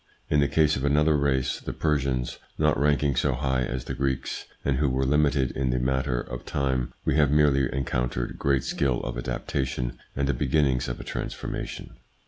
In the case of another race, the Persians, not ranking so high as the Greeks, and who were limited in the matter of time, we have merely encountered great skill of adaptation and the beginnings of a transforma tion.